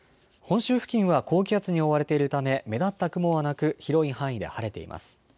本州付近は高気圧に覆われているため目立った雲はなく広い範囲で晴れています。